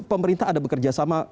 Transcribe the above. pemerintah ada bekerja sama